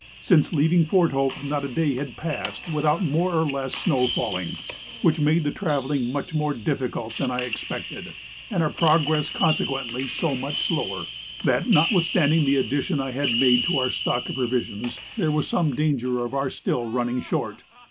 Since leaving Fort Hope not a day had passed without more or less snow falling, which made the travelling much more difficult than I expected, and our progress consequently so much slower, that, notwithstanding the addition I had made to our stock of provisions, there was some danger of our still running short.